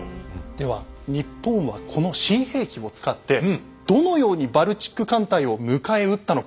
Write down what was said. では日本はこの新兵器を使ってどのようにバルチック艦隊を迎え撃ったのか。